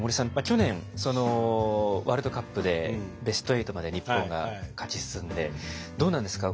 去年ワールドカップでベスト８まで日本が勝ち進んでどうなんですか